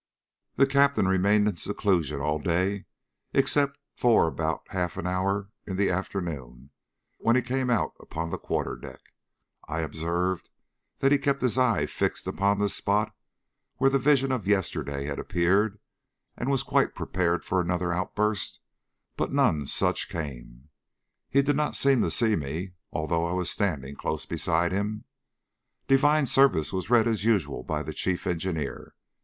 The Captain remained in seclusion all day except for about half an hour in the afternoon, when he came out upon the quarterdeck. I observed that he kept his eye fixed upon the spot where the vision of yesterday had appeared, and was quite prepared for another outburst, but none such came. He did not seem to see me although I was standing close beside him. Divine service was read as usual by the chief engineer.